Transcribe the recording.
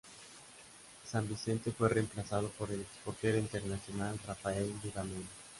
Sanvicente fue reemplazado por el ex portero internacional Rafael Dudamel.